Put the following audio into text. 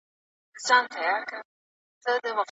ولې ملي سوداګر ساختماني مواد له ازبکستان څخه واردوي؟